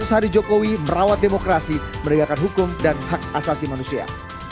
seratus hari jokowi merawat demokrasi menegakkan hukum dan hak asasi manusia